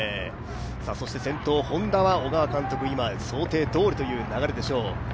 先頭Ｈｏｎｄａは小川監督、想定どおりという流れでしょう。